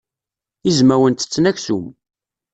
Izmawen ttetten aksum.